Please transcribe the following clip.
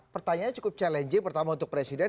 pertanyaannya cukup challenging pertama untuk presiden